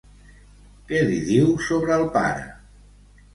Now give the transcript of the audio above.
Què li diu sobre el pare?